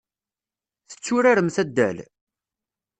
Tetturaremt addal?